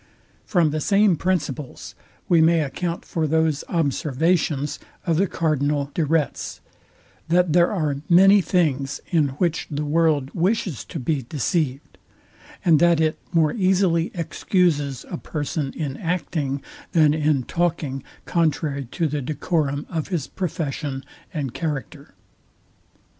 Part IV. Sect. 1. From the same principles we may account for those observations of the CARDINAL DE RETZ, that there are many things, in which the world wishes to be deceived; and that it more easily excuses a person in acting than in talking contrary to the decorum of his profession and character.